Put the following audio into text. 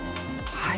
はい。